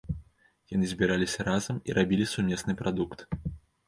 Яны збіраліся разам і рабілі сумесны прадукт.